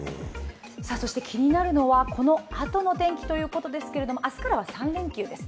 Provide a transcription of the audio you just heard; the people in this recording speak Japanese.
気になるのは、このあとの天気ということですが、明日からは３連休です。